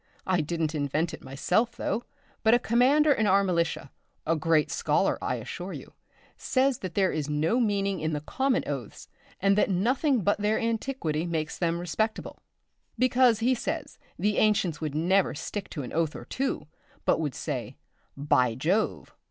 I didn't invent it myself though, but a commander in our militia, a great scholar I assure you, says that there is no meaning in the common oaths, and that nothing but their antiquity makes them respectable; because, he says, the ancients would never stick to an oath or two, but would say, By Jove!